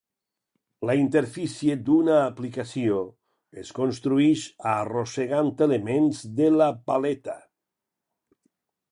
La interfície d'una aplicació es construïx arrossegant elements de la paleta.